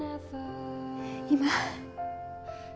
今。